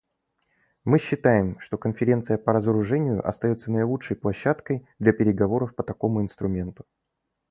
Мы считаем, что Конференция по разоружению остается наилучшей площадкой для переговоров по такому инструменту.